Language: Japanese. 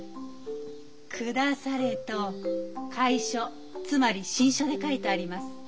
「下され」と楷書つまり真書で書いてあります。